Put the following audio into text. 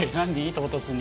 唐突に。